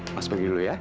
mas pergi dulu ya